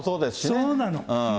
そうなの。